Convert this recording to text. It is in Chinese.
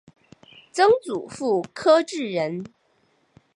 曾祖父柯志仁。